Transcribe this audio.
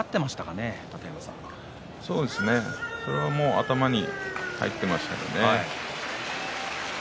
頭に入っていましたね。